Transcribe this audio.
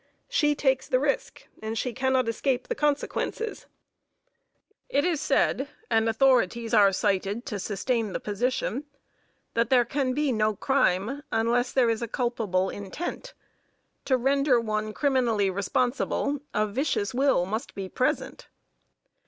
She takes the risk, and she cannot escape the consequences. It is said, and authorities are cited to sustain the position, that there can be no crime unless there is a culpable intent; to render one criminally responsible a vicious will must be present.